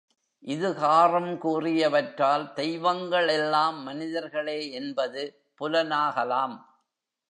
இது காறும் கூறியவற்றால், தெய்வங்கள் எல்லாம் மனிதர்களே என்பது புலனாகலாம்.